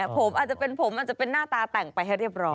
ผมอาจจะเป็นผมอาจจะเป็นหน้าตาแต่งไปให้เรียบร้อย